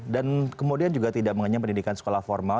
dan kemudian juga tidak mengenyam pendidikan sekolah formal